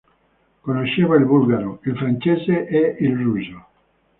Conosceva il bulgaro, il francese e il russo.